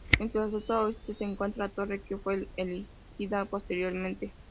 En su acceso oeste se encuentra la torre que fue erigida posteriormente.